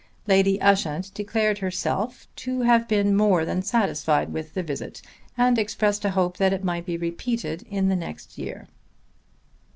Lady Ushant declared herself to have been more than satisfied with the visit and expressed a hope that it might be repeated in the next year.